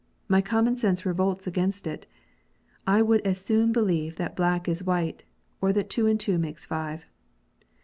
My common sense revolts against it. I would as soon believe that black is white, or that two and two make five.